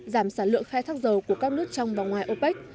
giảm sản lượng khai thác dầu của các nước trong và ngoài opec